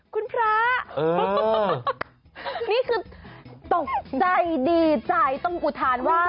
คุณพระนี่คือตกใจดีใจต้องอุทานว่า